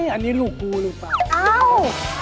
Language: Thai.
อันนี้ลูกกูหรือเปล่า